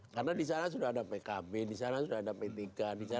karena di sana sudah ada pkb di sana sudah ada p tiga di sana sudah ada pan